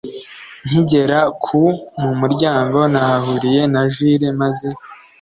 nkigera ku mumuryango nahahuriye na Jule maze